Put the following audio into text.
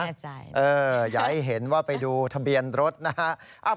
อย่าให้เห็นว่าไปดูทะเบียนรถนะฮะ